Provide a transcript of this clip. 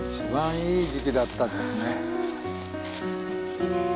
きれい。